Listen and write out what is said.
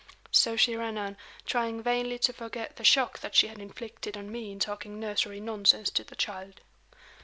So she ran on, trying vainly to forget the shock that she had inflicted on me in talking nursery nonsense to the child.